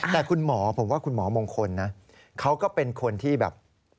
แต่คุณหมอผมว่าคุณหมอมงคลนะเขาก็เป็นคนที่แบบ